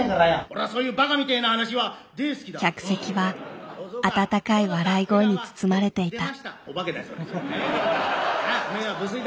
客席はあたたかい笑い声に包まれていた。